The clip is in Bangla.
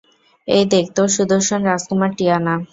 এই দেখ তোর সুদর্শন রাজকুমার, টিয়ানা।